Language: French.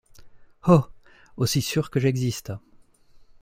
Oh! aussi sûr que j’existe.